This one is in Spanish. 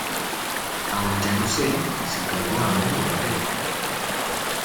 Ahora ya no sé si tengo hambre o no tengo.